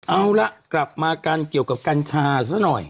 เอาละกลับมากันเกี่ยวกับกัญชาซะหน่อย